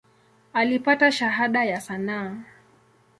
Alipata Shahada ya sanaa.